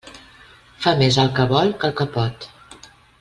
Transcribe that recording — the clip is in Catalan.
Fa més el que vol que el que pot.